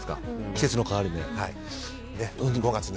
季節の変わり目で。